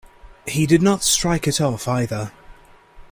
He did not strike it off, either.